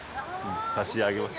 差し上げます